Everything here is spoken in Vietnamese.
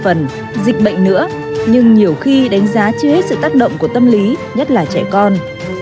khó khăn là một phần dịch bệnh nữa nhưng nhiều khi đánh giá chưa hết sự tác động của tâm lý nhất là trẻ con